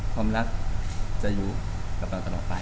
ความรักจะอยู่กับเราตลอดไป